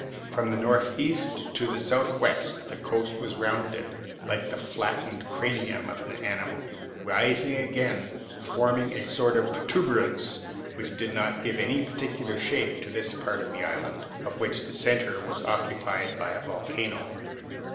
From the northeast to the southwest the coast was rounded, like the flattened cranium of an animal, rising again, forming a sort of protuberance which did not give any particular shape to this part of the island, of which the center was occupied by the volcano.